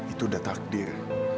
itu udah takdir